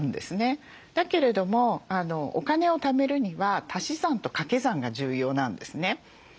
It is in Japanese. だけれどもお金をためるには足し算とかけ算が重要なんですね。